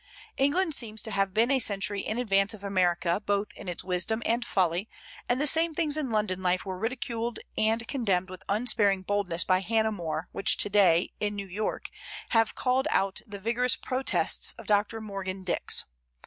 England seems to have been a century in advance of America, both in its wisdom and folly; and the same things in London life were ridiculed and condemned with unsparing boldness by Hannah More which to day, in New York, have called out the vigorous protests of Dr. Morgan Dix.